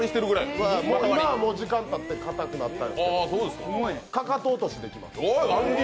今は時間たってかたくなっていますけど、かかと落としできます。